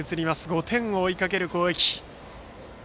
５点を追いかける攻撃。